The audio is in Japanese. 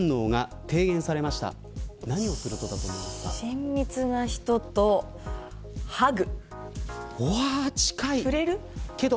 親密な人とハグ。